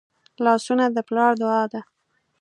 لاسونه د پلار دعا ده